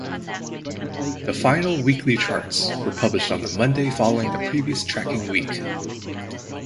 The final weekly charts were published on the Monday following the previous tracking week.